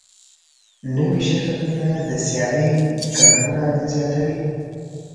نوي شرکتونه د سیالۍ ګڼه ګوڼه زیاتوي.